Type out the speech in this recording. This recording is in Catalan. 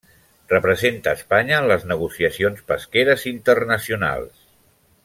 Representa Espanya en les negociacions pesqueres internacionals.